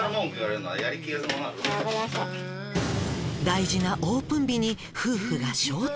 「大事なオープン日に夫婦が」